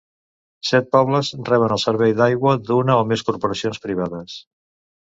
Set pobles reben el servei d'aigua d'una o més corporacions privades.